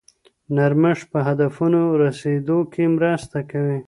نرمښت په هدفونو رسیدو کې مرسته کوي.